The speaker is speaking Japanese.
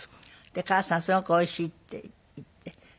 「母さんすごくおいしい」って言って。